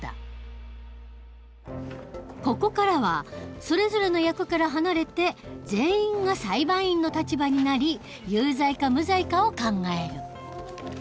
ここからはそれぞれの役から離れて全員が裁判員の立場になり有罪か無罪かを考える。